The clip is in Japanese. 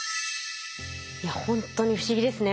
いやほんとに不思議ですね